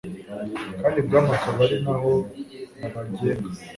kandi ibwami akaba ari na bo babagenga